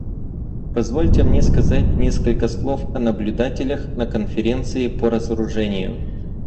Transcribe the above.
Позвольте мне сказать несколько слов о наблюдателях на Конференции по разоружению.